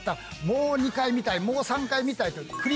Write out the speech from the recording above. もう２回見たいもう３回見たい」という。